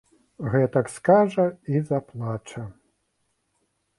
Гэтак скажа і заплача.